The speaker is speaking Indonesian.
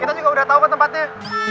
kita juga udah tau tempatnya